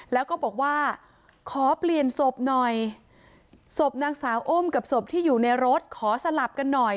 แล้วก็บอกว่าขอเปลี่ยนศพหน่อยศพนางสาวอ้มกับศพที่อยู่ในรถขอสลับกันหน่อย